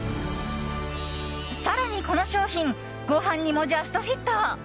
更に、この商品ご飯にもジャストフィット。